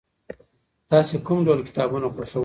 تاسې کوم ډول کتابونه خوښوئ؟